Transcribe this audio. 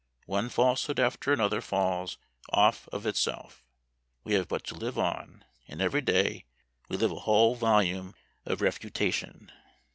One falsehood after another falls off of itself. We have but to live on, and every day we live a whole volume of refutation.